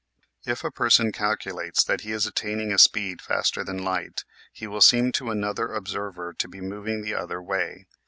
If a person calculates that he is attaining a speed faster than light he will seem to another observer to be moving the other way.